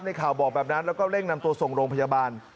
ข่าวบอกแบบนั้นแล้วก็เร่งนำตัวส่งโรงพยาบาล